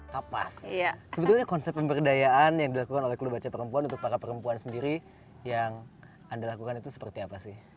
kapas sebetulnya konsep pemberdayaan yang dilakukan oleh klub baca perempuan untuk para perempuan sendiri yang anda lakukan itu seperti apa sih